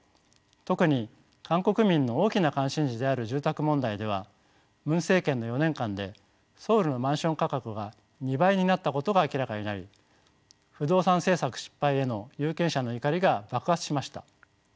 特に韓国民の大きな関心事である住宅問題ではムン政権の４年間でソウルのマンション価格が２倍になったことが明らかになり不動産政策失敗への有権者の怒りが爆発しました。